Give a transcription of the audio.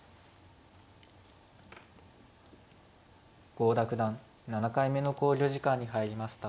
郷田九段７回目の考慮時間に入りました。